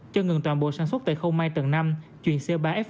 cho ngừng toàn bộ sản xuất tại khâu mai tầng năm chuyển xe ba f năm